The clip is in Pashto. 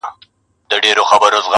مینه د انسان در پکښي غواړم اورنۍ -